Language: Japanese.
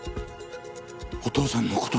お父さんの。